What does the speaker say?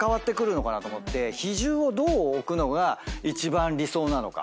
比重をどう置くのが一番理想なのか。